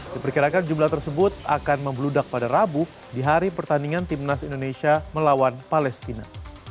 diperkirakan jumlah tersebut akan membeludak pada rabu di hari pertandingan timnas indonesia melawan palestina